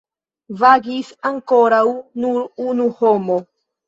Vagis ankoraŭ nur unu homo.